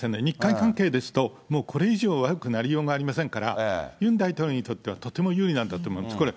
日韓関係ですと、もうこれ以上悪くなりようがありませんから、ユン大統領にとっては、とても有利なんだと思います。